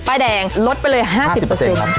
ไปแดงลดไปเลยห้าสิบเปอร์เซ็นต์ครับ